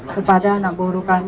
kepada anak buru kami